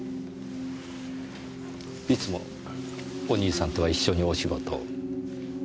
いつもお兄さんとは一緒にお仕事を？